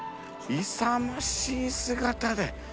勇ましい姿で。